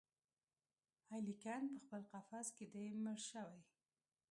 الیکین پخپل قفس کي دی مړ شوی